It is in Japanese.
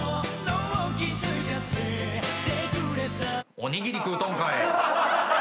おにぎり食うとんかい。